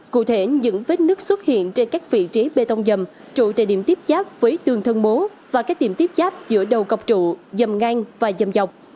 cụ thể những vết nước xuất hiện trên các vị trí bê tông dầm trụ tại điểm tiếp giáp với tường thân mố và các tiệm tiếp giáp giữa đầu cọc trụ dầm ngang và dầm dọc